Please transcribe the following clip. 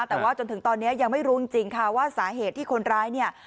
แต่ว่าจนถึงตอนนี้ยังไม่รู้จริงค่ะว่าสาเหตุที่คนร้ายเนี่ย